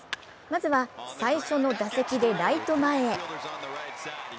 まずは最初の打席でライト前へ。